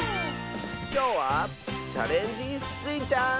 きょうは「チャレンジスイちゃん」！